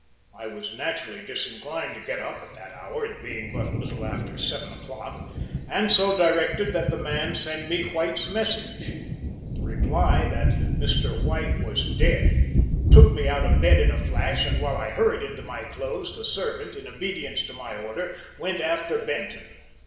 I was naturally disinclined to get up at that hour, it being but a little after seven o'clock, and so directed that the man send me White's message. The reply that Mr. White was dead took me out of bed in a flash, and while I hurried into my clothes, the servant, in obedience to my order, went after Benton.